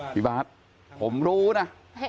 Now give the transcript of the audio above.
พี่บาทผมรู้นะ